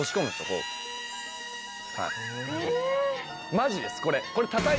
マジですこれ。